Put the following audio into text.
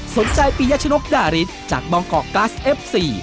สนใจปียชนกด่าฤทธิ์จากบองกอกกลั๊สเอฟซี